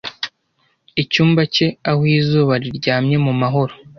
icyumba cye aho izuba riryamye mu mahoro